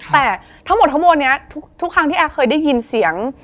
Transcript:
แต่ทั้งหมดทั้งมวลนี้ทุกครั้งที่แอร์เคยได้ยินเสียง